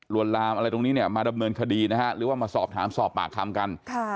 ลามอะไรตรงนี้เนี่ยมาดำเนินคดีนะฮะหรือว่ามาสอบถามสอบปากคำกัน